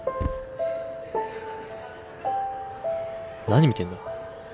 何見てんだ？